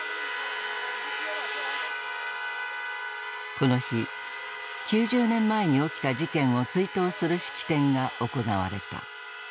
この日９０年前に起きた事件を追悼する式典が行われた。